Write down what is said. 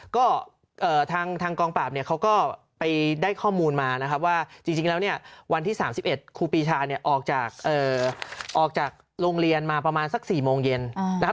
ก็ทางกองปราบเนี่ยเขาก็ไปได้ข้อมูลมานะครับว่าจริงแล้วเนี่ยวันที่๓๑ครูปีชาเนี่ยออกจากออกจากโรงเรียนมาประมาณสัก๔โมงเย็นนะครับ